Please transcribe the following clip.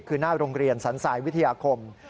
คือหน้าโรงเรียนสันทรายวิทยาคม